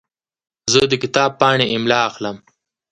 زه د کتاب پاڼې املا اخلم.